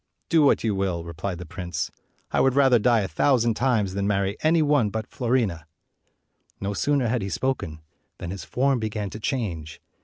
"Do what you will," replied the prince; "I 216 would rather die a thousand times than marry any one but Fiorina." No sooner had he spoken than his form began to change.